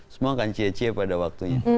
semua kan cie cie pada waktunya